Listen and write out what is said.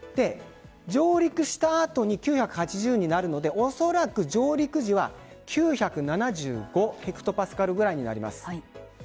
上陸した後に９８０になるのでおそらく上陸時は９７５ヘクトパスカルぐらいになります。